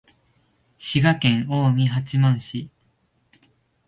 滋賀県近江八幡市